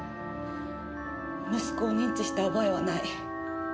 息子を認知した覚えはない。